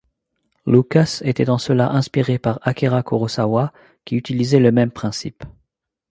Lucas était en cela inspiré par Akira Kurosawa qui utilisait le même principe.